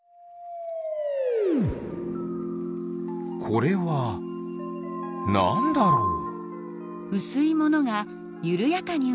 これはなんだろう？